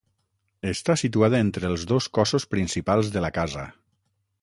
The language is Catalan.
Està situada entre els dos cossos principals de la casa.